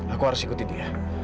aku harus ikuti dia